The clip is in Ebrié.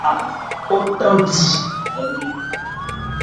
O thandi.